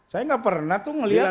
saya nggak pernah tuh melihat